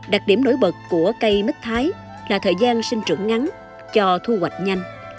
đặc điểm nổi bật của cây mít thái là thời gian sinh trưởng ngắn cho thu hoạch nhanh